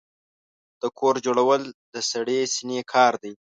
د کور جوړول د سړې سينې کار دی.